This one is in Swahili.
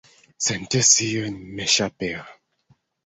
Sentensi hiyo mmeshapewa